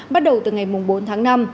bắt đầu từ ngày bốn tháng năm